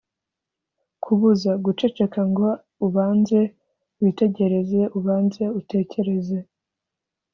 kubuza: guceceka ngo ubanze witegereze, ubanze utekereze